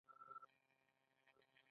د تایم پاڼې د څه لپاره وکاروم؟